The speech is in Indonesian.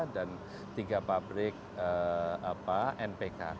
dan tiga pabrik npk